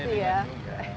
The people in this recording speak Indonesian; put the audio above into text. lahir di bandung